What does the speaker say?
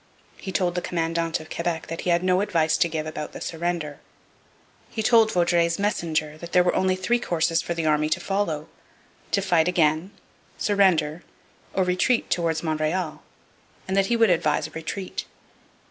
He told the commandant of Quebec that he had no advice to give about the surrender. He told Vaudreuil's messenger that there were only three courses for the army to follow: to fight again, surrender, or retreat towards Montreal; and that he would advise a retreat.